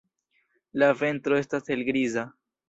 La ventro estas helgriza.